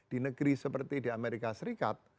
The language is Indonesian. di negeri seperti di amerika serikat